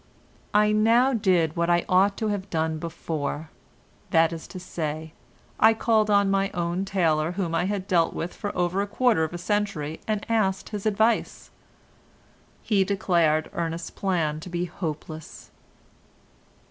I now did what I ought to have done before, that is to say, I called on my own tailor whom I had dealt with for over a quarter of a century and asked his advice. He declared Ernest's plan to be hopeless.